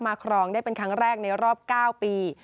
ครองได้เป็นครั้งแรกในรอบ๙ปี